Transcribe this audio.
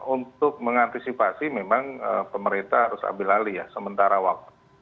untuk mengantisipasi memang pemerintah harus ambil alih ya sementara waktu